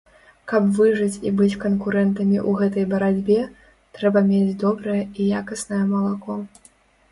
Каб выжыць і быць канкурэнтамі ў гэтай барацьбе, трэба мець добрае і якаснае малако.